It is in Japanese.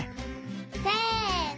せの！